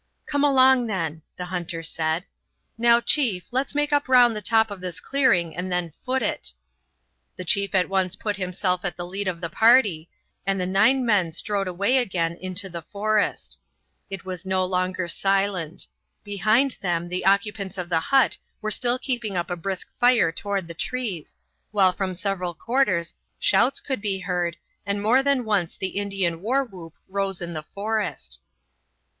"Come along, then," the hunter said. "Now, chief, let's make up round the top of this clearing and then foot it." The chief at once put himself at the head of the party, and the nine men strode away again through the forest. It was no longer silent. Behind them the occupants of the hut were still keeping up a brisk fire toward the trees, while from several quarters shouts could be heard, and more than once the Indian war whoop rose in the forest.